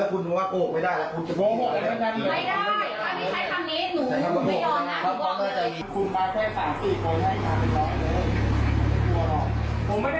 คุณกำลังหยุดไหนได้